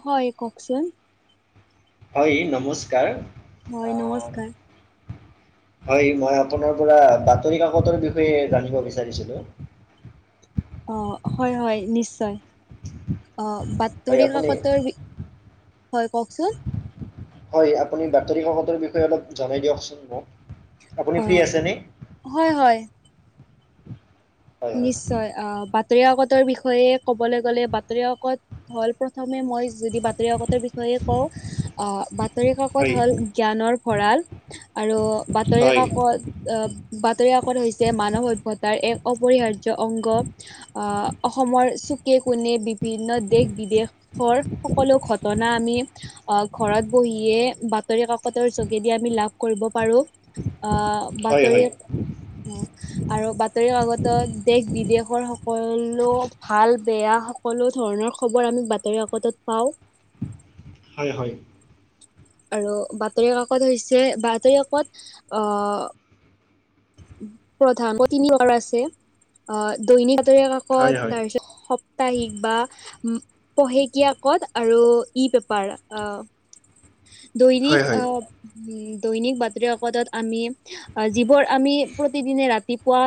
হয় কওকচোন হয় নমস্কাৰ হয় নমস্কাৰ হয় মই আপোনাৰ পৰা বাতৰি কাকতৰ বিষয়ে জানিব বিচাৰিছিলো হয় হয় নিশ্চয় অ হয়, বাতৰি আপুনি কাকতৰ হয় কওকচোন হয় আপুনি বাতৰি কাকতৰ বিষয়ে অলপ জনাই দিয়কচোন মোক অ আপুনি ফ্ৰী আছেনে হয় হয় হয়, নিশ্চয় আহ বাতৰি কাকতৰ বিষয়ে ক'বলৈ গ'লে বাতৰিকাত হল প্ৰথমে মই যদি বাতৰি কাকতৰ বিষয়ে কওঁ আহ মাত বাতৰি হয়, কাকত হ'ল জ্ঞানৰ ভঁৰাল আৰু বাতৰি হয়, কাকত আহ বাতৰি কাকত হৈছে মানৱ সভ্যতাৰ এক অপৰিহাৰ্য অংগ আহ অসমৰ চুকে কোণে বিভিন্ন দেশ বিদেশ ঘৰ সকলো ঘটনা আমি আহ ঘৰত বহিয়ে বাতৰি কাকতৰ যোগেদি আমি লাভ কৰিব পাৰো অ', হয়, বাতৰি হয়, অ', আৰু বাতৰি কাকত দেশ বিদেশৰ সকলো ভাল বেয়া সকলো ধৰণৰ খবৰ আমি বাতৰি পটত পাওঁ হয় হয় আৰু বাতৰি কাকত হৈছে বাতৰি কাকত অ' প্ৰধান তিনিগাৰ আছে অ দৈনিক বাতৰি হয়, হয়, কাকত তাৰ পিছত সাপ্তাহিক বা পহেকীয়াকত আৰু ই পেপাৰ অ' [inaudible] হয়, দৈনিক আহ দৈনিক বাতৰি কাকতত আমি যিবোৰ আমি প্ৰতিদিনে ৰাতিপুৱা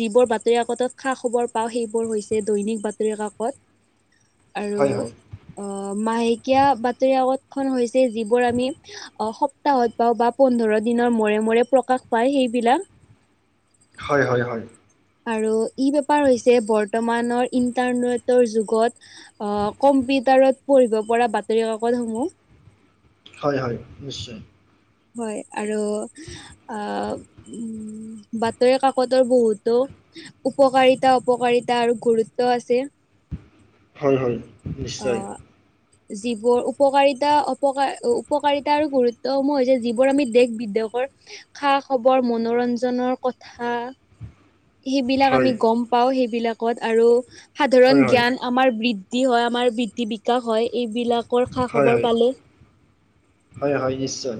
যিবোৰ বাতৰি কাকতত খা খবৰ পাওঁ সেইবোৰ হৈছে দৈনিক বাতৰি কাকত আৰু হয়, হয়, হয়, অ', মাহেকীয়া বাতৰি কাকত খন হৈছে যিবোৰ আমি অ', সপ্তাহত পাও বা পোন্ধৰ দিনৰ মূৰে মূৰে প্ৰকাশ পায় সেইবিলাক হয় হয় হয়। আৰু ই বেপাৰ হৈছে বৰ্তমানৰ ইণ্টাৰনেটৰ যুগত কম্পিউটাৰত পঢ়িব পৰা বাতৰি কাকতসমূহ হয় হয় নিশ্চয়। হয় আৰু আ বাতৰি কাকতৰ বহুতো উপকাৰিতা অপকাৰিতা আৰু গুৰুত্ব আছে হয় হয়। অ' [inaudible] যিবোৰ উপকাৰিতা, উপকাৰ উপকাৰিতা আৰু গুৰুত্বসমূহ হৈছে যিবোৰ আমি দেশ বিদেশৰ খা-খবৰ মনোৰঞ্জনৰ কথা সেইবিলাক হয়, আমি গম পাওঁ, সেইবিলাক আৰু হয়, সাধাৰণ হয়, জ্ঞান আমাৰ বৃদ্ধি হয় আমাৰ বৃদ্ধি বিকাশ হয়, এইবিলাকৰ হয়, খা-খবৰ হয়, পালে। হয়, হয়, নিশ্চয়।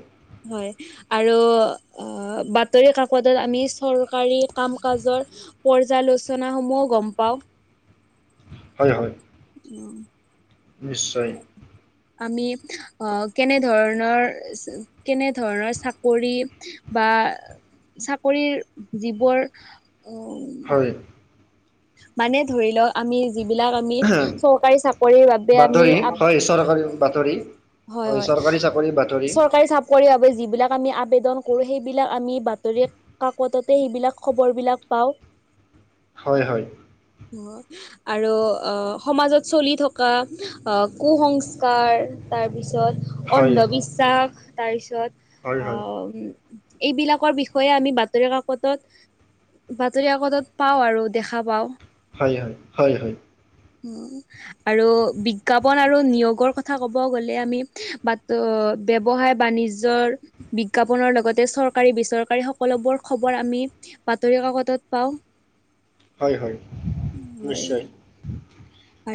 হয়, আৰু অ', বাতৰি কাকতত আমি চৰকাৰী কাম কাজৰ পৰ্যালোচনা সমূহ গম পাওঁ। হয়, হয়। উম। নিশ্চয়। আমি অ', কেনে ধৰণৰ কেনে ধৰণৰ চাকৰি বা চাকৰিৰ যিবোৰ উ হয়। মানে ধৰি লওক আমি, যিবিলাক আমি চৰকাৰী চাকৰি বাতৰি হয়, চৰকাৰী বাতৰি হয়, হয়, চৰকাৰী চাকৰি বাতৰি চৰকাৰী চা [unintelligible] বাবে যিবিলাক আমি আবেদন কৰো, সেইবিলাক আমি বাতৰিক কাকততে সেইবিলাক খবৰবিলাক পাওঁ। হয়, হয়। [unintelligible] আৰু আহ সমাজত চলি থকা কুসংস্কাৰ তাৰপিছত, হয় অন্ধবিশ্বাস হয় তাৰপিছত হয় অ' এইবিলাকৰ বিষয়ে আমি বাতৰি কাকতত বাতৰি কাকতত পাওঁ আৰু, দেখা পাওঁ। হয়, হয়। হয়, হয়। উম, আৰু বিজ্ঞাপন আৰু নিয়োগৰ কথা ক'ব ক'ব গলে আমি, বাত ব্যৱসায় বাণিজ্যৰ বিজ্ঞাপনৰ লগতে চৰকাৰী, বেচৰকাৰী সকলোবোৰ খবৰ আমি বাতৰি কাকতত পাওঁ। হয়, হয়, হয় নিশ্চয়।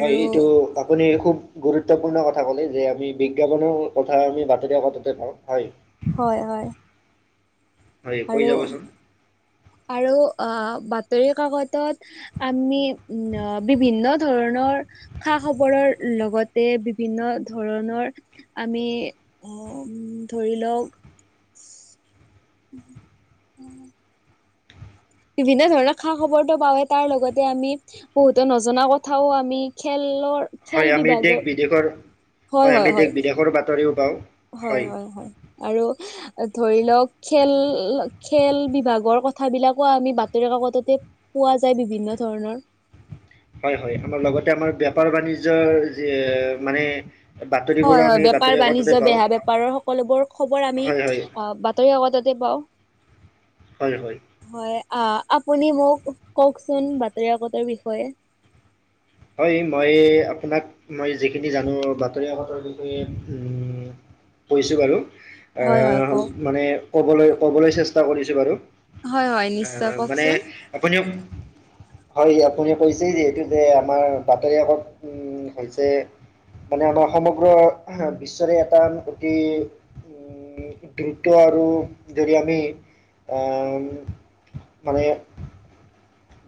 হয়, এইটো আপুনি খুব গুৰুত্বপূৰ্ণ কথা ক'লে, যে আমি বিজ্ঞাপনৰ কথা আমি বাতৰিকাকততে পাওঁ হয়। হয়, হয়। হয়, কৈ আৰু যাবচোন? আৰু আহ বাতৰি কাকতত আমি উম, বিভিন্ন ধৰণৰ খা-খবৰৰ লগতে বিভিন্ন ধৰণৰ আমি ধৰি লওক [unintelligible] বিভিন্ন ধৰণৰ খা-খবৰটো পাওঁৱে, তাৰ লগতে আমি বহুতে নজনা কথাও আমি খেলৰ হয়, খেল আমি দিশ বিভাগৰ বিদেশৰ হয়, আমি দেশ বিদেশৰ বাতৰিও পাওঁ। হয, হয়, হয়, আৰু ধৰি লওঁক খেল-খেল বিভাগৰ কথাবিলাকো আমি বাতৰি কাকততে পোৱা যায়, বিভিন্ন ধৰণৰ। হয়, হয়, আমাৰ লগতে আমাৰ বেপাৰ বাণিজ্যৰ যে মানে বাতৰিবোৰো হয়, হয়, আমি বাতৰি বেপাৰ কাকততে বাণিজ্য পাওঁ বেহা বেপাৰৰ সকলোবোৰ খবৰ আমি হয় হয় আহ বাত তই আগতে [unintelligible] হয় হয় হয় আহ আপুনি মোক কওকচোন বাতৰিকাকতৰ বিষয়ে হয় মই আপোনাক মই যিখিনি জানো বাতৰিকাকতৰ বিষয়ে উম কৈছো বাৰু এ হয় হয় কওক। মানে কবলৈ ক'বলৈ চেষ্টা কৰিছো বাৰু হয় হয় নিশ্চয় আহ মানে কওকচোন। আপুনিও হয় আপুনি কৈছে যে এইটো যে আমাৰ বাতৰি কাকত হৈছে মানে আমাৰ সমগ্ৰ বিশ্বৰে এটা অতি উ দ্ৰুত আৰু যদি আমি মানে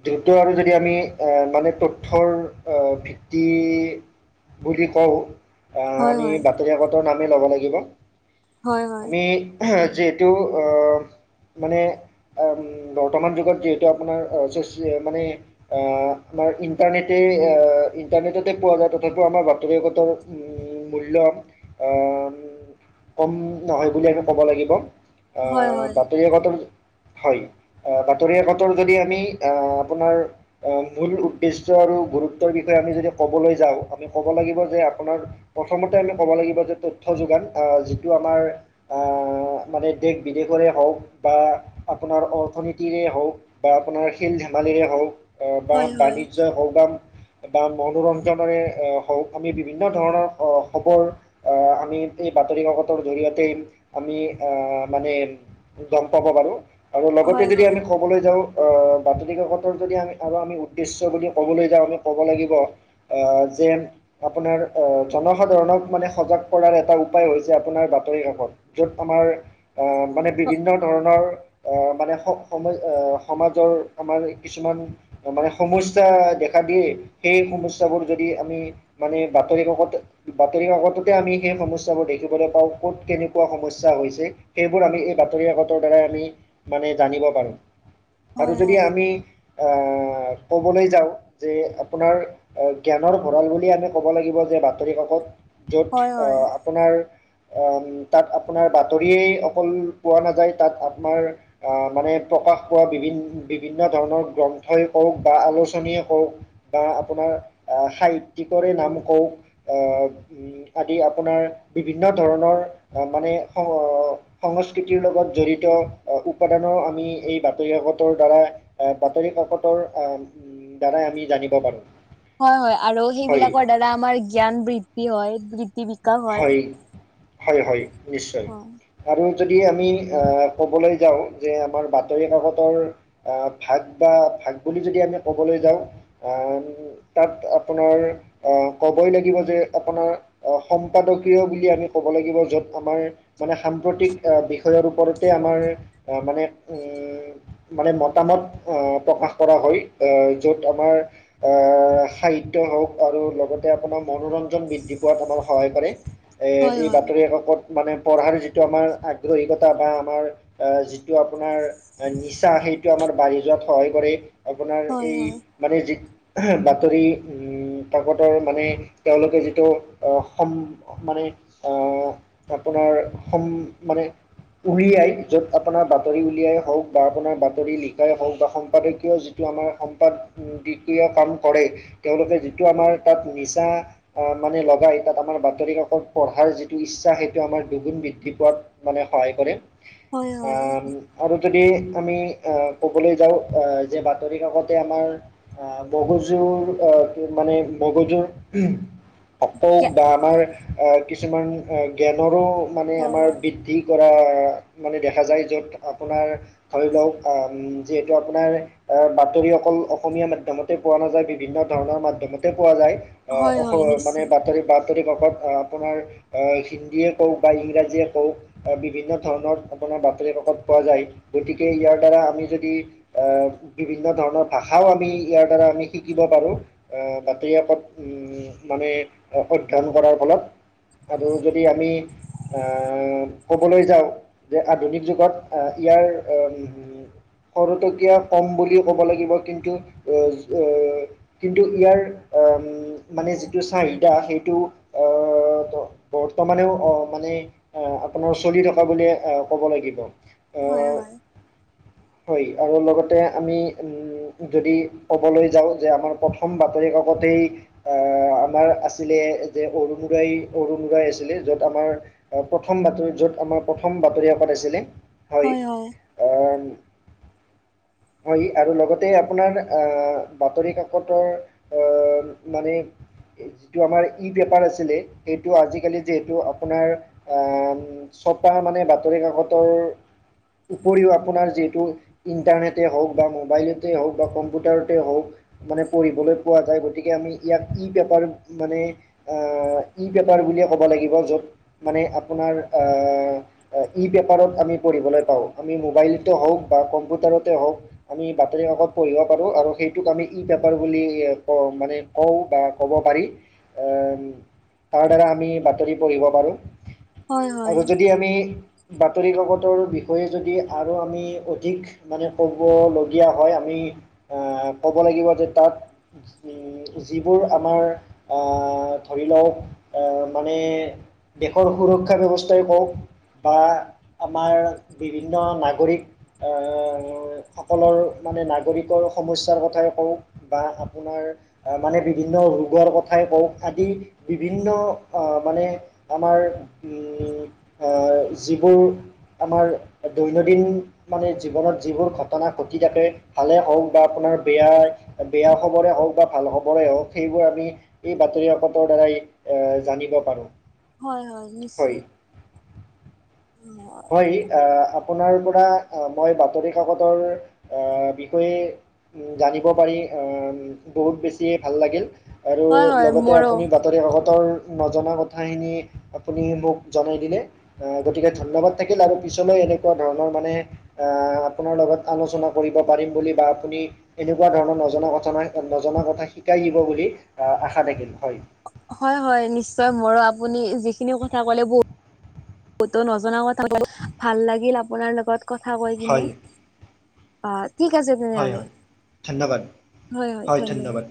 দ্ৰুত আৰু যদি আমি মানে তথ্যৰ ভিত্তি বুলি কও আহ, হয় আমি হয় বাতৰি কাকতৰ নামেই ল'ব লাগিব হয় হয় আমি যিহেতু অ' মানে বৰ্তমান যুগত যিহেতু আপোনাৰ [unintelligible] মানে আহ, আমাৰ ইণ্টাৰনেটেই, ইণ্টাৰনেটতে পোৱা যায় তথাপিও আমাৰ বাতৰি কাকতৰ উম, মূল্য আহ, কম নহয় বুলি আমি ক'ব লাগিব। আ, হয় হয় বাতৰি কাকতৰ হয়, বাতৰি কাকতৰ যদি আমি আ, আপোনাৰ আহ, মূল উদ্দেশ্য আৰু গুৰুত্বৰ বিষয়ে আমি যদি ক'বলৈ যাওঁ আমি ক'ব লাগিব যে আপোনাৰ প্ৰথমতে আমি ক'ব লাগিব যে তথ্য যোগান আহ, যিটো আমাৰ আহ, মানে দেশ বিদেশৰে হওক বা আপোনাৰ অৰ্থনীতিৰে হওক বা আপোনাৰ খেল ধেমালিৰে হওক আহ, বা হয় হয় বাণিজ্যই হওক বা বা মনোৰঞ্জনেৰে হওঁক আমি বিভিন্ন ধৰণৰ খবৰ আহ, আমি এই বাতৰি কাকতৰ জৰিয়তেই আমি আহ, মানে গম পাব বাৰো, আৰু লগতে হয় যদি হয়। আমি কবলৈ যাওঁ আহ বাতৰিকাকতৰ যদি আমি আৰু আমি উদ্দেশ্য বুলি ক'বলৈ যাওঁ আমি ক'ব লাগিব যে আপোনাৰ আ, জনসাধাৰণক মানে সজাগ কৰাৰ এটা উপায় হৈছে আপোনাৰ বাতৰি কাকত। য'ত আমাৰ আহ, মানে বিভিন্ন ধৰণৰ মানে স-সম-সমাজৰ আমাৰ কিছুমান মানে সমস্যা দেখা দিয়ে সেই সমস্যাবোৰ যদি আমি মানে বাতৰি কাকত বাতৰি কাকততে আমি সেই সমস্যাবোৰ দেখিবলৈ পাওঁ ক'ত কেনেকুৱা সমস্যা হৈছে। সেইবোৰ আমি এই বাতৰি কাকতৰ দ্বাৰাই আমি মানে জানিব পাৰো। হয় হয় যদি আমি আহ, ক'বলৈ যাওঁ যে আপোনাৰ আহ, জ্ঞানৰ ভঁৰাল বুলি আমি ক'ব লাগিব যে বাতৰি কাকত য'ত হয় হয়। আহ, আপোনাৰ উম, তাত আপোনাৰ বাতৰিয়েই অকল পোৱা নাযায় তাত আপোনাৰ আহ, মানে প্ৰকাশ পোৱা বিভিন বিভিন্ন ধৰণৰ গ্ৰন্থই ক‌ওঁক বা আলোচনীয়ে ক‌ওঁক। আহ, আপোনাৰ সাহিত্যিকৰে নাম কওক আহ আদি আপোনাৰ বিভিন্ন ধৰণৰ মানে সংস্কৃতিৰ লগত জড়িত উপাদানৰ আমি এই বাতৰি কাকতৰ দ্বাৰা আহ, বাতৰি কাকতৰ আহ, দ্বাৰাই আমি জানিব পাৰোঁ। হয় হয় আৰু হয় সেইবিলাকৰ দ্বাৰা আমাৰ জ্ঞান বৃদ্ধি হয় [unintelligible] হয়, হয়, হয় নিশ্চয়। হয় আৰু যদি আমি আহ, ক'বলৈ যাওঁ যে আমাৰ বাতৰি কাকতৰ আহ, ভাগ বা ভাগ বুলি যদি আমি ক'বলৈ যাওঁ আহ তাত আপোনাৰ অ', ক'বই লাগিব যে আপোনাৰ আহ, সম্পাদকীয় বুলি আমি ক'ব লাগিব য'ত আমাৰ মানে সাম্প্ৰতিক আহ, বিষয়ৰ ওপৰতে আমাৰ আহ, মানে উম মানে মতামত আহ প্ৰকাশ কৰা হয় আহ য'ত আমাৰ। আহ সাহিত্য হওঁক আৰু লগতে আপোনাৰ মনোৰঞ্জন বৃদ্ধি পোৱা। [unintelligible] সহায় কৰে হয় এই হয় বাতৰি কাকত। মানে পঢ়াৰ যিটো আমাৰ আগ্ৰহীকতা বা আমাৰ যিটো আপোনাৰ। নিচা সেইটো আমাৰ বাঢ়ি যোৱাত সহায় কৰে আপোনাৰ হয় এই। হয় মানে যি বাতৰি উম কাকতৰ মানে তেওঁলোকে যিটো অহ। সম মানে অহ আপোনাৰ সম মানে। উলিয়াই য'ত আপোনাৰ বাতৰি উলিয়াই হওঁক বা আপোনাৰ বাতৰি লিখাই হওঁক বা সম্পাদকীয়। [unintelligible] [unintelligible] আমাৰ সম্পাদ দ্বিতীয় কাম কৰে তেওঁলোকে যিটো আমাৰ তাত নিচা মানে লগায়। তাত আমাৰ বাতৰি কাকত পঢ়াৰ যিটো ইচ্ছা সেইটো আমাৰ দুগুণ বৃদ্ধি পোৱাত মানে সহায় কৰে। হয় আ হয় আৰু যদি আমি আহ ক'বলৈ যাওঁ আহ যে বাতৰি কাকতে আমাৰ। আহ মগজুৰ আহ মানে মগজুৰ। হওঁক বা আমাৰ কিছুমান জ্ঞানৰো মানে হয় আমাৰ হয়। বৃদ্ধিক। কৰা মানে দেখা যায় য'ত আপোনাৰ ধৰি লওঁক আহ যিহেতু আপোনাৰ। আহ বাতৰি অকল অসমীয়া মাধ্যমতে পোৱা নাযায় বিভিন্ন ধৰণৰ মাধ্যমতে পোৱা যায়। অ হয় অস হয় মানে। নিশ্চয় [unintelligible] বাতৰি কাকত আপোনাৰ হিন্দীয়ে কওঁক বা ইংৰাজীয়ে কওঁক। বিভিন্ন ধৰণৰ আপোনাৰ বাতৰি কাকত পোৱা যায় গতিকে ইয়াৰ দ্বাৰা আমি যদি। আহ বিভিন্ন ধৰণৰ ভাষাও আমি ইয়াৰ দ্বাৰা আমি শিকিব পাৰোঁ। আহ বাতৰি কাকত উম মানে। অধ্যয়ন কৰাৰ ফলত আৰু যদি আমি আ ক'বলৈ যাওঁ যে আধুনিক যুগত ইয়াৰ উম। সৰহতকীয়া কম বুলি ক'ব লাগিব কিন্তু। [unintelligible] কিন্তু ইয়াৰ আহ মানে যিটো চাহিদা সেইটো আহ। বৰ্তমানেও অ মানে। আহ আপোনাৰ চলি থকা বুলিয়ে আহ ক'ব লাগিব। হয় হয়। হয় আৰু লগতে আমি উম। যদি ক'বলৈ যাওঁ যে আমাৰ প্ৰথম বাতৰি কাকতেই আমাৰ আছ ছিলে যে অৰুনোদই, অৰুনোদই আছিলে য'ত আমাৰ। প্ৰথম বাতৰি য'ত আমাৰ প্ৰথম বাতৰি কাকত আছিলে হয় উম। হয় আৰু লগতে আপোনাৰ আহ বাতৰি কাকতৰ। অহ মানে। যিটো আমাৰ ই-পেপাৰ আছিলে সেইটো আজিকালি যিহেতু আপোনাৰ আম। ছপা মানে বাতৰি কাকতৰ উপৰিও আপোনাৰ যিহেতু। ইণ্টাৰনেটে হওঁক বা মোবাইলতে হওঁক বা কম্পিউটাৰতে হওঁক। মানে পঢ়িবলৈ পোৱা যায় গতিকে আমি ইয়াক ই-পেপাৰ। মানে আ ই-পেপাৰ বুলিয়ে ক'ব লাগিব য'ত। মানে আপোনাৰ আহ। ই-পেপাৰত আমি পঢ়িবলৈ পাওঁ আমি মোবাইলতে হওঁক বা কম্পিউটাৰতে হওঁক। আমি বাতৰি কাকত পঢ়িব পাৰোঁ আৰু সেইটোক আমি ই-পেপাৰ বুলি কওঁ মানে। কওঁ বা ক'ব পাৰি। আম তাৰ দ্বাৰা আমি বাতৰি পঢ়িব পাৰোঁ হয় হয়। আৰু যদি আমি বাতৰি কাকতৰ বিষয়ে যদি আৰু আমি অধিক। মানে ক'বলগীয়া হয় আমি আহ ক'ব লাগিব যে তাত। যিবোৰ আমাৰ ধৰি [unintelligible] লওঁক [unintelligible] মানে। দেশৰ সুৰক্ষা ব্যৱস্থাই কওঁক। বা আমাৰ বিভিন্ন নাগৰিক। সকলৰ মানে নাগৰিকৰ সমস্যাৰ কথাই কওঁক বা আপোনাৰ মানে বিভিন্ন ৰোগৰ কথা ঠাই বওঁ আদি বিভিন্ন মানে আমাৰ যিবোৰ আমাৰ দৈনন্দিন মানে জীৱনত যিবোৰ ঘটনা ঘটি থাকে ভালে হওক বা আপোনাৰ বেয়া বেয়া খবৰে হওক বা ভাল খবৰে হওঁক সেইবোৰ আমি এই বাতৰি কাকতৰ দ্বাৰাই এ জানিব পাৰো হয় হয় নিশ্চয় হয় আহ আপোনাৰ পৰা মই বাতৰি কাকতৰ বিষয়ে জানিব পাৰি বহুত বেছিয়ে ভাল লাগিল। আৰু হয় হয় লগতে মোৰো আপুনি ৰি অগতৰ নজনা কথাখিনি আপুনি মোক জনাই দিলে গতিকে ধন্যবাদ। থাকিল আৰু পিছলৈ এনেকুৱা ধৰণৰ মানে আহ আপোনাৰ লগত আলোচনা কৰিব পাৰিম বুলি বা আপুনি এনেকুৱা ধৰণৰ নজনা কথানা নজনা কথা শিকাই দিব বুলি আহ আশা থাকিল হয়। হয় হয় নিশ্চয় মোৰো আপুনি যিখিনি কথা ক'লে বহুত বতো নজনা কথা ক ভাল লাগিল আপোনাৰ লগত কথা কৈ কিনে হয় অ', ঠিক আছে হয় তেনেহলে হয় ধন্যবাদ হয় হয় ধন্যবাদ।